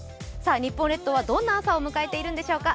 日本列島はどんな朝を迎えているんでしょうか。